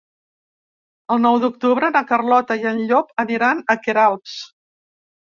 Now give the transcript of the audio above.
El nou d'octubre na Carlota i en Llop aniran a Queralbs.